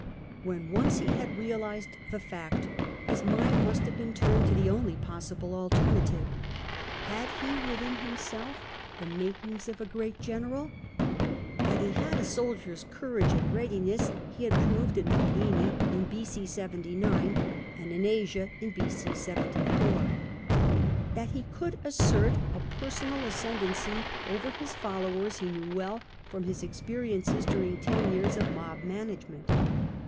When once he had realised the fact, his mind must have been turned to the only possible alternative. Had he within himself the matings of a great general ? That he had a soldier's courage and readiness he had proved at Mytilene in b.c. 79, and in Asia in B.0, 74. That he could assert a personal ascendency over his followers he knew well, from his experiences during ten years of mob management.